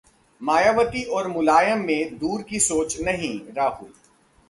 मायावती और मुलायम में दूर की सोच नहीं: राहुल